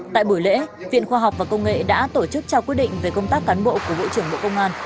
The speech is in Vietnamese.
tại buổi lễ viện khoa học và công nghệ đã tổ chức trao quyết định về công tác cán bộ của bộ trưởng bộ công an